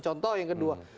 contoh yang kedua